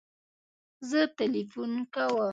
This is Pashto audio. زه تلیفون کوم